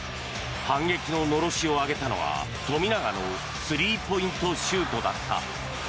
反撃ののろしを上げたのは富永のスリーポイントシュートだった。